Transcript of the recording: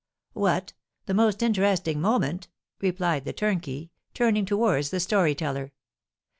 "What! The most interesting moment?" replied the turnkey, turning towards the story teller.